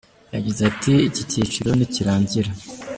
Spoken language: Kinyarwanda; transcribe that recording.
Yagize ati Iki cyiciro nikirangira.